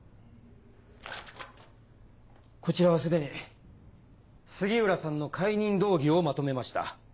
こちらは既に杉浦さんの解任動議をまとめました。